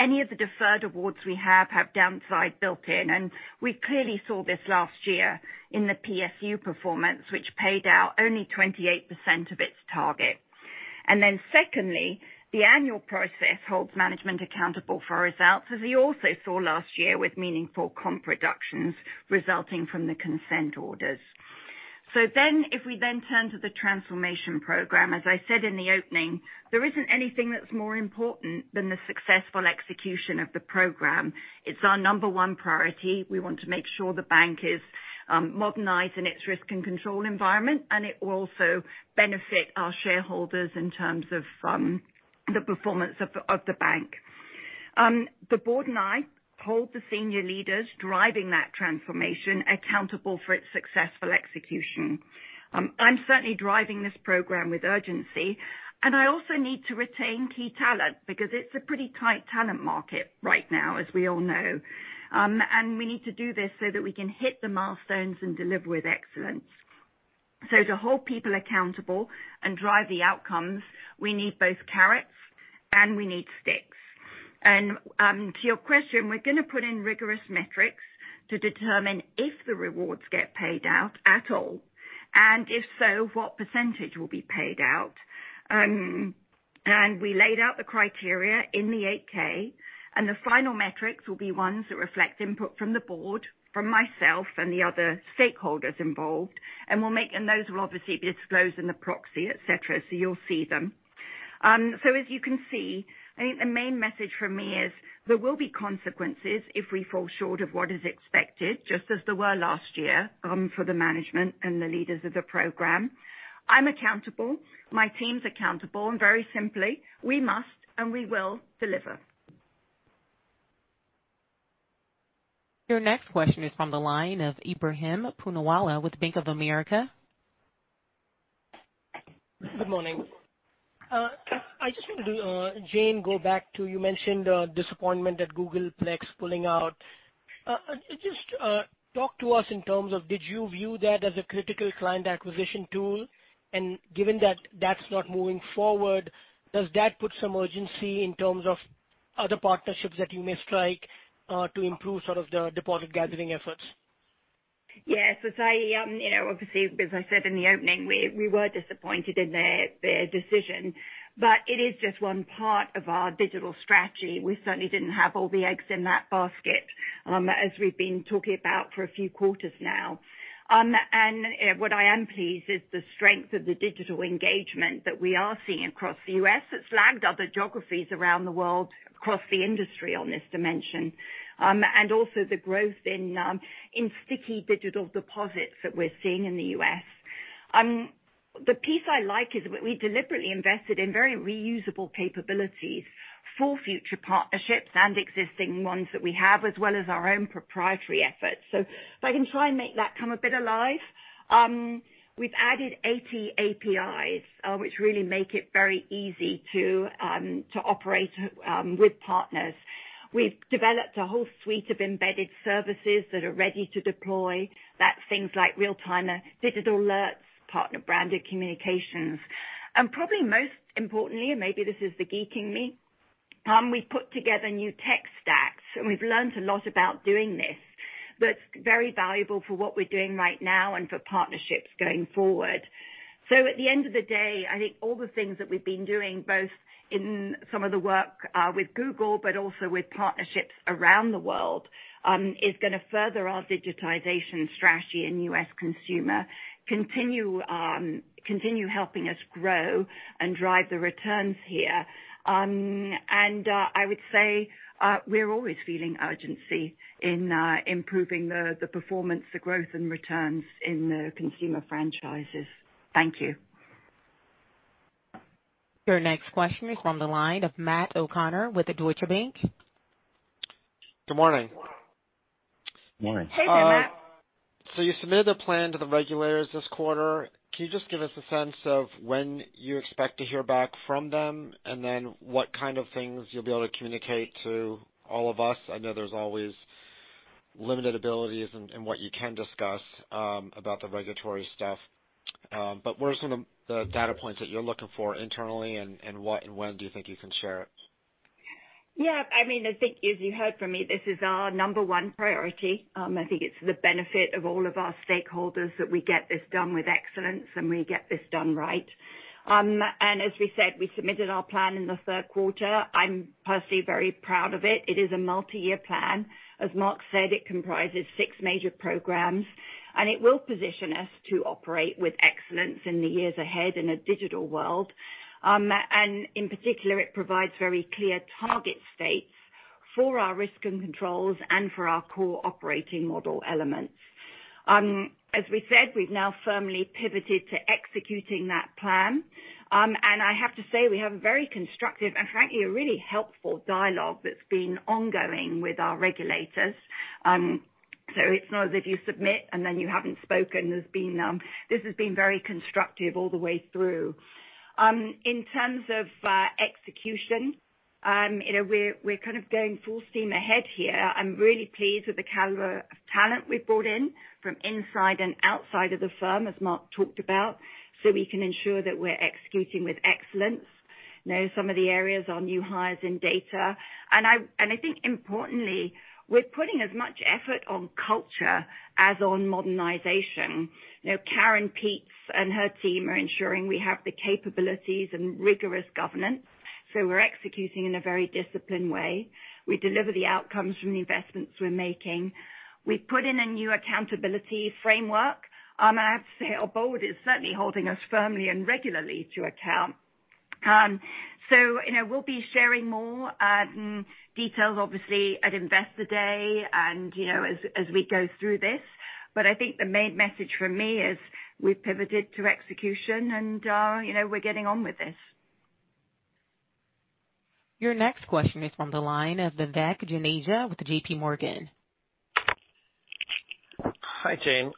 any of the deferred awards we have have downside built in, and we clearly saw this last year in the PSU performance, which paid out only 28% of its target. Secondly, the annual process holds management accountable for results, as we also saw last year with meaningful comp reductions resulting from the consent orders. If we then turn to the Transformation Program, as I said in the opening, there isn't anything that's more important than the successful execution of the program. It's our number one priority. We want to make sure the bank is modernized in its risk and control environment, and it will also benefit our shareholders in terms of the performance of the bank. The board and I hold the senior leaders driving that Transformation accountable for its successful execution. I'm certainly driving this program with urgency, and I also need to retain key talent because it's a pretty tight talent market right now, as we all know. We need to do this so that we can hit the milestones and deliver with excellence. To hold people accountable and drive the outcomes, we need both carrots and we need sticks. To your question, we're going to put in rigorous metrics to determine if the rewards get paid out at all, and if so, what % will be paid out. We laid out the criteria in the 8-K, and the final metrics will be ones that reflect input from the board, from myself and the other stakeholders involved, and those will obviously be disclosed in the proxy, et cetera. You'll see them. As you can see, I think the main message from me is there will be consequences if we fall short of what is expected, just as there were last year for the management and the leaders of the program. I'm accountable, my team's accountable, and very simply, we must and we will deliver. Your next question is from the line of Ebrahim Poonawala with Bank of America. Good morning. I just wanted to, Jane, go back to you mentioned disappointment at Google Plex pulling out. Talk to us in terms of did you view that as a critical client acquisition tool? Given that that's not moving forward, does that put some urgency in terms of other partnerships that you may strike to improve sort of the deposit gathering efforts? Yes. As I, you know, obviously, as I said in the opening, we were disappointed in their decision, but it is just one part of our digital strategy. We certainly didn't have all the eggs in that basket, as we've been talking about for a few quarters now. What I am pleased is the strength of the digital engagement that we are seeing across the U.S. It's lagged other geographies around the world across the industry on this dimension. Also the growth in sticky digital deposits that we're seeing in the U.S. The piece I like is we deliberately invested in very reusable capabilities for future partnerships and existing ones that we have, as well as our own proprietary efforts. If I can try and make that come a bit alive, we've added 80 APIs, which really make it very easy to operate with partners. We've developed a whole suite of embedded services that are ready to deploy. That's things like real-time digital alerts, partner-branded communications. Probably most importantly, and maybe this is the geek in me, we've put together new tech stacks, and we've learnt a lot about doing this. Very valuable for what we're doing right now and for partnerships going forward. At the end of the day, I think all the things that we've been doing, both in some of the work with Google, but also with partnerships around the world, is gonna further our digitization strategy in U.S. consumer, continue helping us grow and drive the returns here. I would say, we're always feeling urgency in improving the performance, the growth and returns in the consumer franchises. Thank you. Your next question is on the line of Matt O'Connor with Deutsche Bank. Good morning. Morning. Hey there, Matt. You submitted a plan to the regulators this quarter. Can you just give us a sense of when you expect to hear back from them, and then what kind of things you'll be able to communicate to all of us? I know there's always limited abilities in what you can discuss about the regulatory stuff. What are some of the data points that you're looking for internally and what and when do you think you can share it? I mean, I think, as you heard from me, this is our number one priority. I think it's for the benefit of all of our stakeholders that we get this done with excellence, and we get this done right. As we said, we submitted our plan in the third quarter. I'm personally very proud of it. It is a multi-year plan. As Mark said, it comprises six major programs, it will position us to operate with excellence in the years ahead in a digital world. In particular, it provides very clear target states for our risk and controls and for our core operating model elements. As we said, we've now firmly pivoted to executing that plan. I have to say, we have a very constructive and, frankly, a really helpful dialogue that's been ongoing with our regulators. It's not as if you submit and then you haven't spoken. This has been very constructive all the way through. In terms of execution, you know, we're kind of going full steam ahead here. I'm really pleased with the caliber of talent we've brought in from inside and outside of the firm, as Mark talked about, so we can ensure that we're executing with excellence. You know, some of the areas are new hires in data. I think importantly, we're putting as much effort on culture as on modernization. You know, Karen Peetz and her team are ensuring we have the capabilities and rigorous governance, so we're executing in a very disciplined way. We deliver the outcomes from the investments we're making. We've put in a new accountability framework. I have to say, our board is certainly holding us firmly and regularly to account. You know, we'll be sharing more details obviously at Investor Day and, you know, as we go through this. I think the main message from me is we've pivoted to execution and, you know, we're getting on with this. Your next question is from the line of Vivek Juneja with JPMorgan. Hi, Jane.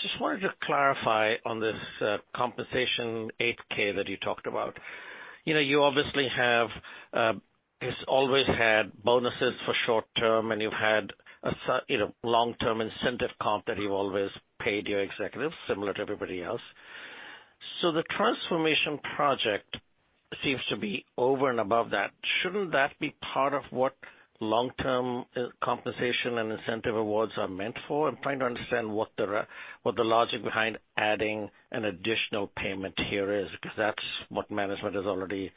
Just wanted to clarify on this compensation 8-K that you talked about. You know, you obviously have always had bonuses for short term, and you've had you know, long-term incentive comp that you've always paid your executives, similar to everybody else. The transformation project seems to be over and above that. Shouldn't that be part of what long-term compensation and incentive awards are meant for? I'm trying to understand what the logic behind adding an additional payment here is, 'cause that's what management is already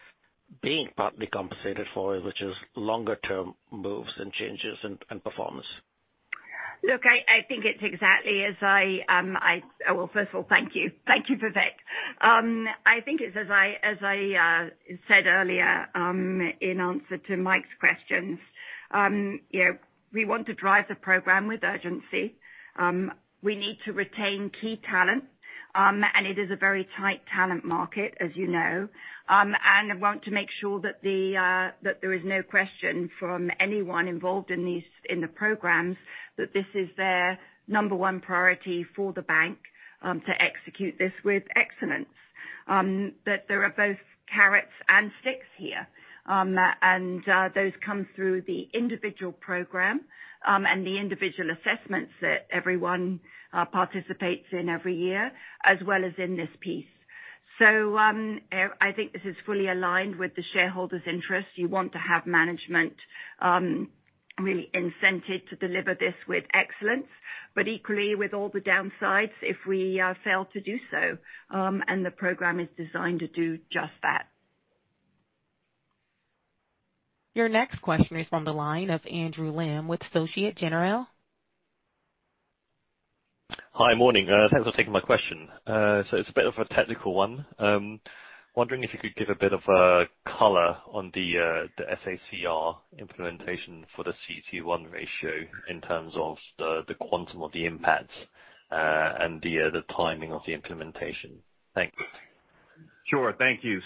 being partly compensated for, which is longer term moves and changes and performance. Look, I think it's exactly as I, first of all, thank you. Thank you, Vivek. I think it's as I said earlier, in answer to Mike's questions, you know, we want to drive the program with urgency. We need to retain key talent, and it is a very tight talent market, as you know. I want to make sure that there is no question from anyone involved in the programs that this is their number one priority for the bank, to execute this with excellence. There are both carrots and sticks here. Those come through the individual program, and the individual assessments that everyone participates in every year, as well as in this piece. I think this is fully aligned with the shareholders' interest. You want to have management really incented to deliver this with excellence, but equally with all the downsides if we fail to do so. The program is designed to do just that. Your next question is on the line of Andrew Lim with Societe Generale. Hi. Morning. Thanks for taking my question. It's a bit of a technical one. Wondering if you could give a bit of color on the SA-CCR implementation for the CET1 ratio in terms of the quantum of the impacts and the timing of the implementation. Thank you. Sure. Thank you.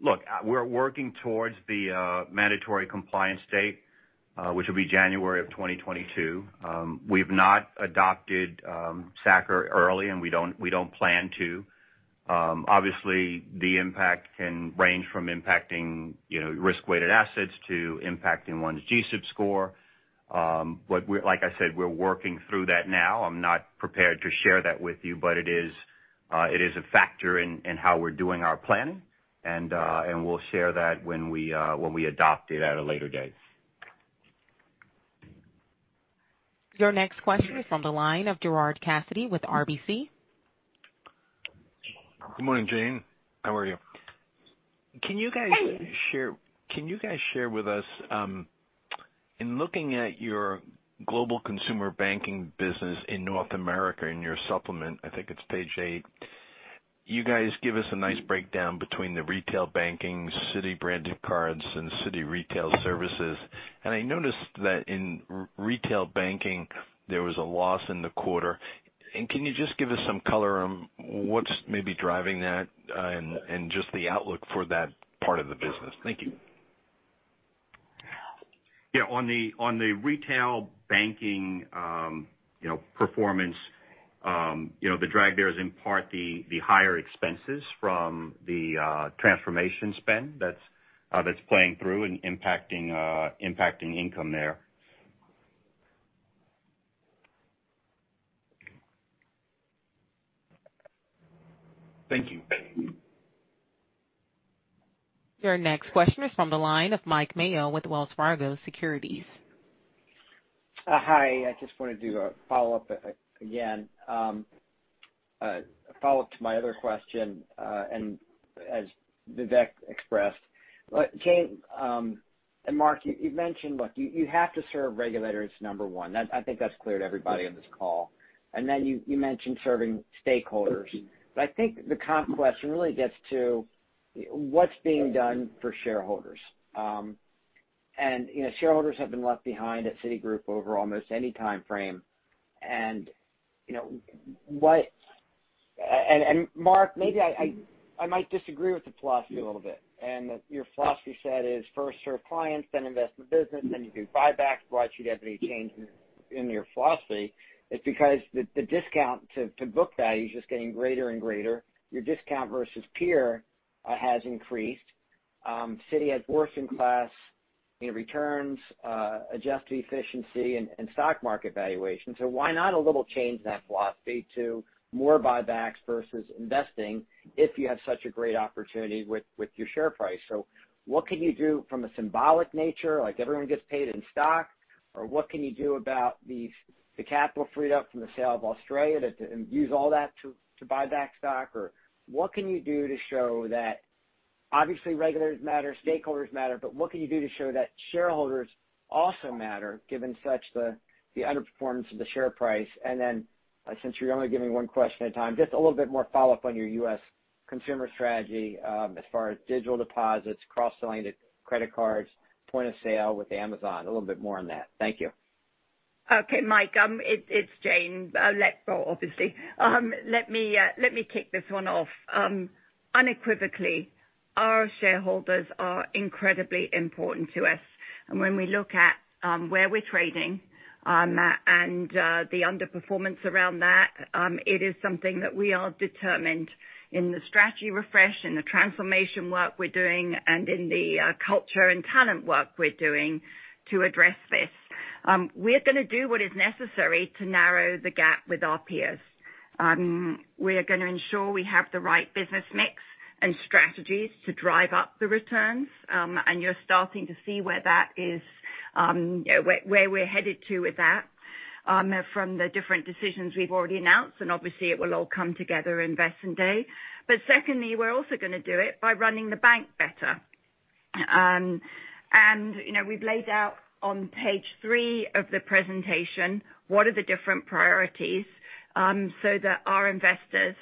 Look, we're working towards the mandatory compliance date, which will be January of 2022. We have not adopted SA-CCR early, and we don't plan to. Obviously, the impact can range from impacting, you know, risk-weighted assets to impacting one's GSIB score. But like I said, we're working through that now. I'm not prepared to share that with you, but it is a factor in how we're doing our planning, and we'll share that when we adopt it at a later date. Your next question is on the line of Gerard Cassidy with RBC. Good morning, Jane. How are you? Can you guys share with us, in looking at your Global Consumer Banking business in North America, in your supplement, I think it's page eight. You guys give us a nice breakdown between the Retail Banking, Citi Branded Cards, and Citi Retail Services. I noticed that in Retail Banking, there was a loss in the quarter. Can you just give us some color on what's maybe driving that, and just the outlook for that part of the business? Thank you. On the retail banking, you know, performance, you know, the drag there is in part the higher expenses from the transformation spend that's playing through and impacting income there. Thank you. Your next question is from the line of Mike Mayo with Wells Fargo Securities. Hi. I just wanna do a follow-up again, a follow-up to my other question, and as Vivek Juneja expressed. Jane Fraser and Mark Mason, you mentioned you have to serve regulators, number one. I think that's clear to everybody on this call. You mentioned serving stakeholders. I think the question really gets to what's being done for shareholders. You know, shareholders have been left behind at Citigroup over almost any timeframe. You know, what Mark Mason, maybe I might disagree with the philosophy a little bit. Your philosophy said is first, serve clients, then invest in the business, then you do buyback. Why should you have any change in your philosophy? It's because the discount to book value is just getting greater and greater. Your discount versus peer has increased. Citi has worst-in-class in returns, adjusted efficiency and stock market valuation. Why not a little change in that philosophy to more buybacks versus investing if you have such a great opportunity with your share price? What can you do from a symbolic nature, like everyone gets paid in stock? What can you do about the capital freed up from the sale of Australia and use all that to buy back stock? What can you do to show that obviously regulators matter, stakeholders matter, but what can you do to show that shareholders also matter, given such the underperformance of the share price? Then, since you're only giving me one question at a time, just a little bit more follow-up on your U.S. consumer strategy, as far as digital deposits, cross-selling to credit cards, point of sale with Amazon, a little bit more on that. Thank you. Okay, Mike, it's Jane, obviously. Let me kick this one off. Unequivocally, our shareholders are incredibly important to us. When we look at where we're trading, and the underperformance around that, it is something that we are determined in the strategy refresh, in the transformation work we're doing, and in the culture and talent work we're doing to address this. We're gonna do what is necessary to narrow the gap with our peers. We're gonna ensure we have the right business mix and strategies to drive up the returns. You're starting to see where that is, where we're headed to with that, from the different decisions we've already announced, and obviously, it will all come together Investor Day. Secondly, we're also gonna do it by running the bank better. You know, we've laid out on page three of the presentation, what are the different priorities so that our investors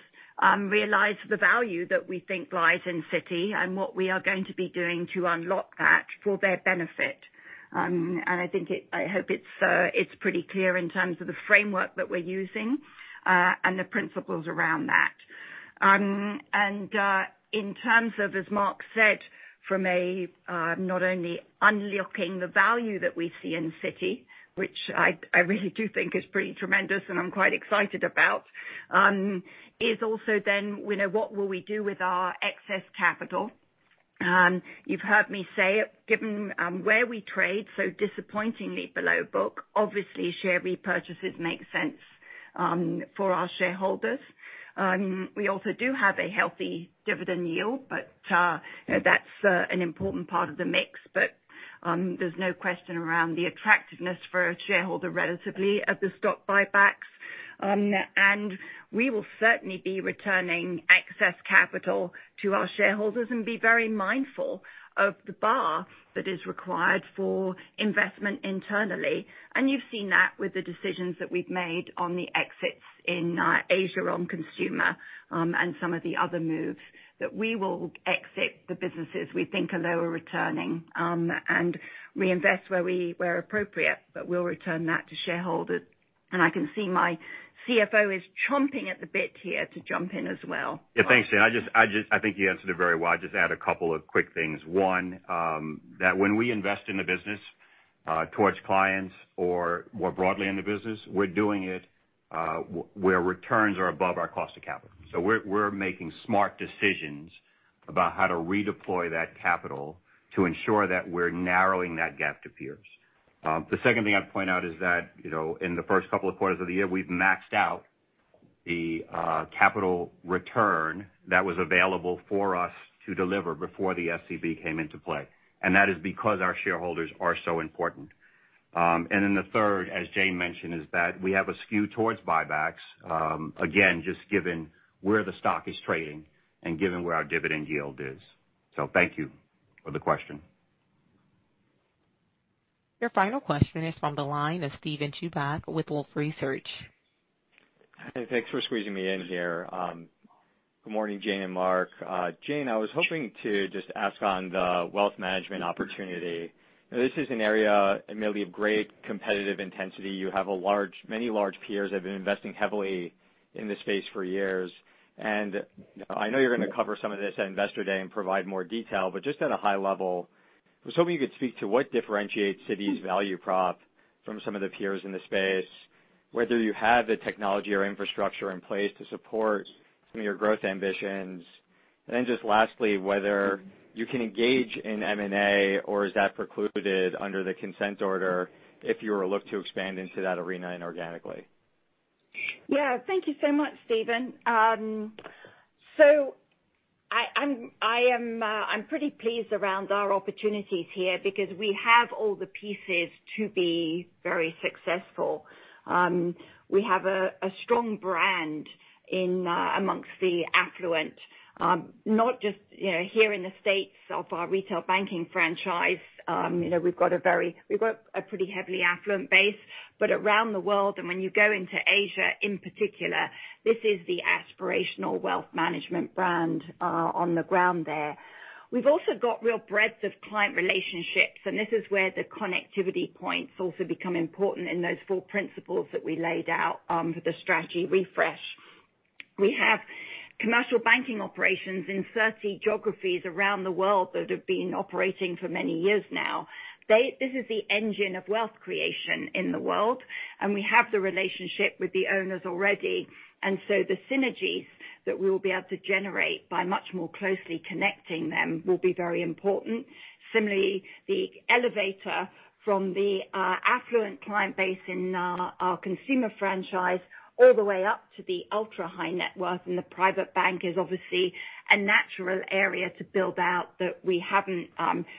realize the value that we think lies in Citi and what we are going to be doing to unlock that for their benefit. I hope it's pretty clear in terms of the framework that we're using and the principles around that. In terms of, as Mark said, from a not only unlocking the value that we see in Citi, which I really do think is pretty tremendous and I'm quite excited about, is also then, you know, what will we do with our excess capital? You've heard me say, given, where we trade, so disappointingly below book, obviously, share repurchases make sense for our shareholders. We also do have a healthy dividend yield, but, you know, that's an important part of the mix. There's no question around the attractiveness for a shareholder relatively of the stock buybacks. We will certainly be returning excess capital to our shareholders and be very mindful of the bar that is required for investment internally. You've seen that with the decisions that we've made on the exits in Asia, on consumer, and some of the other moves that we will exit the businesses we think are lower returning, and reinvest where appropriate, but we'll return that to shareholders. I can see my CFO is chomping at the bit here to jump in as well. Thanks, Jane. I think you answered it very well. I'll just add a couple of quick things. One, that when we invest in the business, towards clients or more broadly in the business, we're doing it where returns are above our cost of capital. We're making smart decisions about how to redeploy that capital to ensure that we're narrowing that gap to peers. The second thing I'd point out is that, you know, in the first couple of quarters of the year, we've maxed out the capital return that was available for us to deliver before the SCB came into play. That is because our shareholders are so important. The third, as Jane mentioned, is that we have a skew towards buybacks, again, just given where the stock is trading and given where our dividend yield is. Thank you for the question. Your final question is from the line of Steven Chubak with Wolfe Research. Hey, thanks for squeezing me in here. Good morning, Jane and Mark. Jane, I was hoping to just ask on the wealth management opportunity. This is an area admittedly of great competitive intensity. You have many large peers that have been investing heavily in this space for years. I know you're gonna cover some of this at Investor Day and provide more detail, but just at a high level, I was hoping you could speak to what differentiates Citi's value prop from some of the peers in the space, whether you have the technology or infrastructure in place to support some of your growth ambitions. Just lastly, whether you can engage in M&A, or is that precluded under the consent order if you were to look to expand into that arena inorganically? Thank you so much, Steven. I am pretty pleased around our opportunities here because we have all the pieces to be very successful. We have a strong brand in amongst the affluent, not just, you know, here in the States of our retail banking franchise. You know, we've got a pretty heavily affluent base, but around the world, when you go into Asia in particular, this is the aspirational wealth management brand on the ground there. We've also got real breadth of client relationships, this is where the connectivity points also become important in those four principles that we laid out for the strategy refresh. We have Commercial Banking operations in 30 geographies around the world that have been operating for many years now. This is the engine of wealth creation in the world. We have the relationship with the owners already. The synergies that we will be able to generate by much more closely connecting them will be very important. Similarly, the elevator from the affluent client base in our Global Consumer Banking all the way up to the ultra-high net worth in the Private Bank is obviously a natural area to build out that we haven't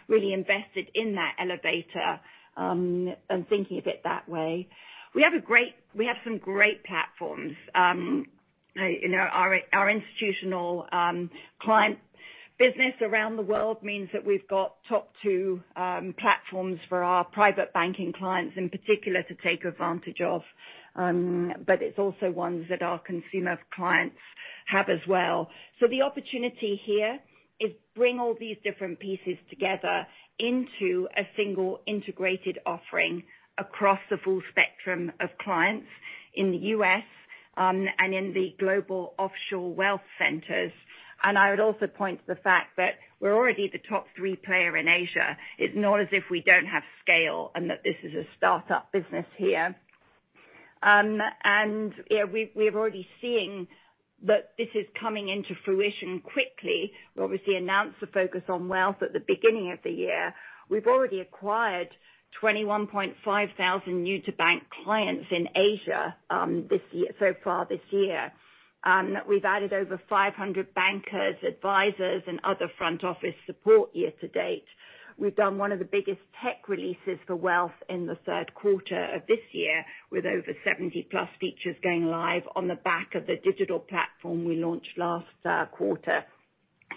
really invested in that elevator and thinking of it that way. We have some great platforms. You know, our Institutional Clients Group around the world means that we've got top two platforms for our Private Bank clients in particular to take advantage of. It's also ones that our Global Consumer Banking clients have as well. The opportunity here is bring all these different pieces together into a single integrated offering across the full spectrum of clients in the U.S. and in the global offshore wealth centers. I would also point to the fact that we're already the top three player in Asia. It's not as if we don't have scale and that this is a startup business here. We're already seeing that this is coming into fruition quickly. We obviously announced the focus on wealth at the beginning of the year. We've already acquired 21.5 thousand new to bank clients in Asia this year, so far this year. We've added over 500 bankers, advisors, and other front office support year-to-date. We've done one of the biggest tech releases for wealth in the third quarter of this year, with over 70+ features going live on the back of the digital platform we launched last quarter.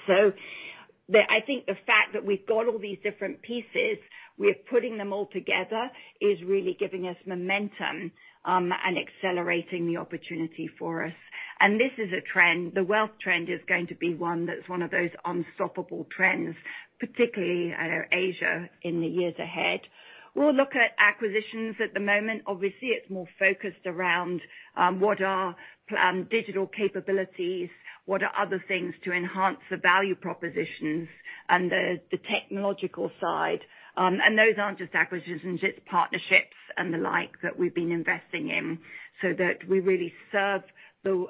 I think the fact that we've got all these different pieces, we're putting them all together, is really giving us momentum and accelerating the opportunity for us. This is a trend. The wealth trend is going to be one that's one of those unstoppable trends, particularly Asia in the years ahead. We'll look at acquisitions. At the moment, obviously, it's more focused around what are digital capabilities, what are other things to enhance the value propositions and the technological side. Those aren't just acquisitions, it's partnerships and the like that we've been investing in so that we really serve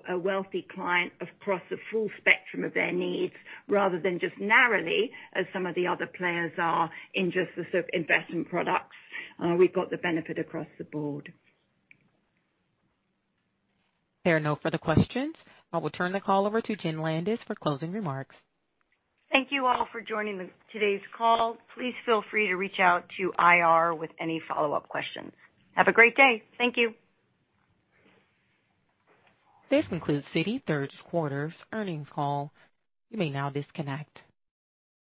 a wealthy client across the full spectrum of their needs, rather than just narrowly as some of the other players are in just the sort of investment products. We've got the benefit across the board. There are no further questions. I will turn the call over to Jenn Landis for closing remarks. Thank you all for joining today's call. Please feel free to reach out to IR with any follow-up questions. Have a great day. Thank you. This concludes Citi third quarter earnings call. You may now disconnect.